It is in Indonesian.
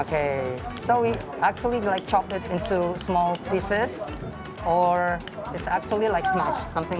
oke jadi sebenarnya kita memotongnya menjadi bagian kecil atau sebenarnya seperti semuanya